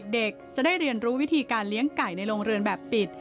เด็กจะได้เรียนรู้วิธีการเลี้ยงไก่ในโรงเรือนแบบปิด